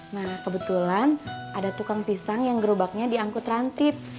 nah kebetulan ada tukang pisang yang gerobaknya diangkut rantip